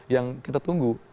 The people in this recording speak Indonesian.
yang kita tunggu